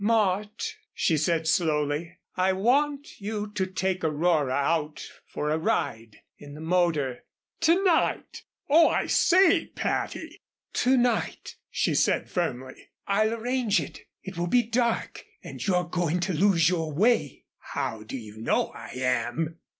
"Mort," she said, slowly, "I want you to take Aurora out for a ride in the motor " "To night! Oh, I say, Patty " "To night," she said, firmly. "I'll arrange it. It will be dark and you're going to lose your way " "How do you know I am?"